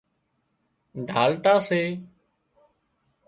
ڍالٽا سي